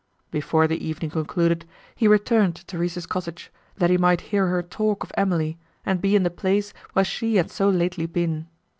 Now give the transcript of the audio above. Before the evening concluded, he returned to Theresa's cottage, that he might hear her talk of Emily, and be in the place, where she had so lately been.